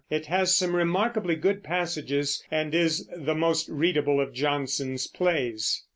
It has some remarkably good passages, and is the most readable of Jonson's plays.